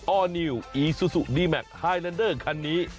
อร์นิวอีซูซูดีแมคไฮแลนเดอร์คันนี้